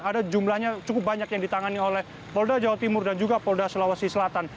ada jumlahnya cukup banyak yang ditangani oleh polda jawa timur dan juga polda sulawesi selatan